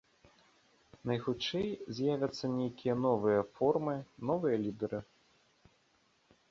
Найхутчэй, з'явяцца нейкія новыя формы, новыя лідэры.